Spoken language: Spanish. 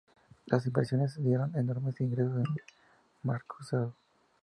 Las inversiones dieron enormes ingresos al Marquesado.